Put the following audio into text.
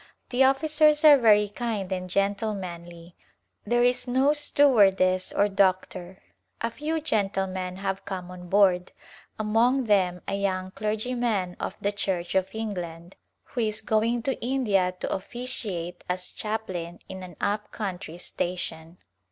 The officers are very kind and gentle manly ; there is no stewardess or doctor. A few gentlemen have come on board, among them a young clergyman of the Church of England, who is going to India to officiate as chaplain in an up country station.